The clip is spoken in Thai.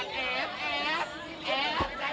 ติดต่อด้วยค่ะ